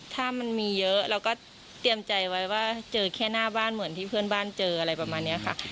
ถ้ามันมีเยอะเราก็เตรียมใจไว้ว่าเจอแค่หน้าบ้านเหมือนที่เพื่อนบ้านเจออะไรประมาณนี้ค่ะ